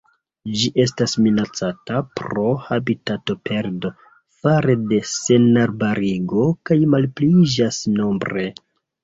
Ĝi estas minacata pro habitatoperdo fare de senarbarigo kaj malpliiĝas nombre.